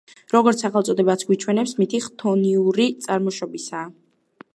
როგორც სახელწოდებაც გვიჩვენებს, მითი ხთონიური წარმოშობისაა.